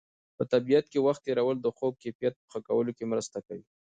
په طبیعت کې وخت تېرول د خوب کیفیت په ښه کولو کې مرسته کوي.